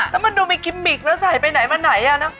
แล้วมันดูมีคิมมิกแล้วใส่ไปไหนมาไหน